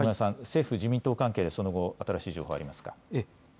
政府、自民党関係、その後新しい情報ありますか。